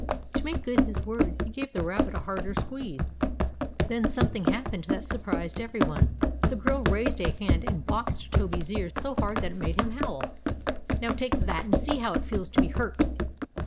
To make good his word he gave the rabbit a harder squeeze. Then something happened that surprised every one. The girl raised a hand, and boxed Toby's ears so hard that it made him howl. "Now, take that, and see how it feels to be hurt!"